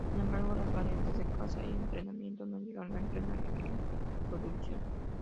Sin embargo, las variantes de caza y entrenamiento no llegaron a entrar en producción.